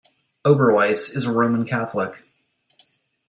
Oberweis is a Roman Catholic.